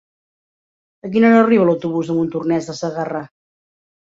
A quina hora arriba l'autobús de Montornès de Segarra?